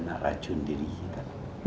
nak racun diri kita